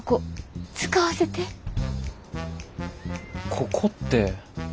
ここって。